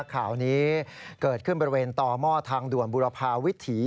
ข่าวนี้เกิดขึ้นบริเวณต่อหม้อทางด่วนบุรพาวิถี